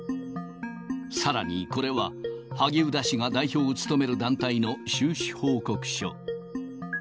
さらにこれは、萩生田氏が代表を務める団体の収支報告書。